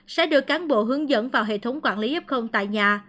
sẽ được cán bộ hướng dẫn vào hệ thống quản lý f tại nhà